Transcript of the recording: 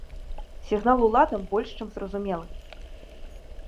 Сігнал уладам больш чым зразумелы.